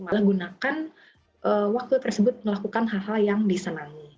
malah gunakan waktu tersebut melakukan hal hal yang disenangi